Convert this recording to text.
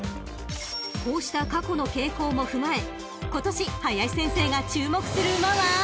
［こうした過去の傾向も踏まえ今年林先生が注目する馬は］